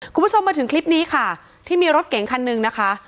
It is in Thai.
คุณผู้ชมมาถึงคลิปนี้ค่ะที่มีรถเก๋งคันหนึ่งนะคะ